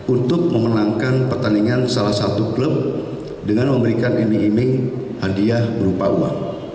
untuk memenangkan pertandingan salah satu klub dengan memberikan iming iming hadiah berupa uang